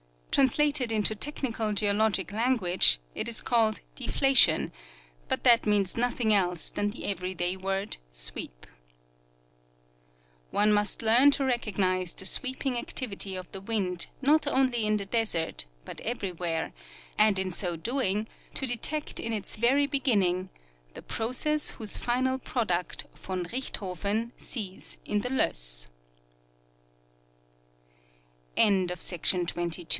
Translated into technical geologic lan guage, it is called " deflation," but that means nothing else than the every day word "sweep." One must learn to recognize the sweeping activity of the wind not only in the desert but everywhere, and in so doing to de tect in its very beginning the process whose final product von Richthofen sees in the loes